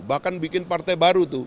bahkan bikin partai baru tuh